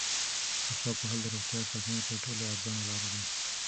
مسواک وهل د روغتیا ساتنې تر ټولو ارزانه لاره ده.